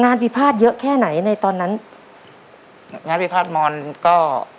พิพาทเยอะแค่ไหนในตอนนั้นงานพิพาทมอนก็